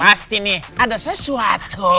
pasti nih ada sesuatu